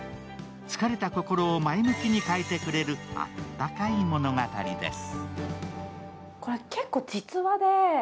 疲れた心を前向きに変えてくれるあったかい物語です。